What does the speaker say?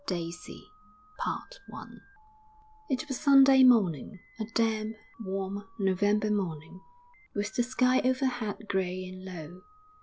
DAISY I It was Sunday morning a damp, warm November morning, with the sky overhead grey and low.